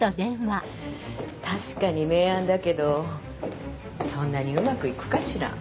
確かに名案だけどそんなにうまくいくかしら？